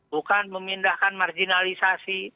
bukan memindahkan marginalisasi